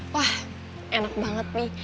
wah enak banget mi